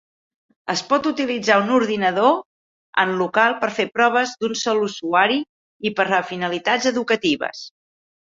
Es pot utilitzar un ordinador en local per fer proves d'un sol usuari i per a finalitats educatives.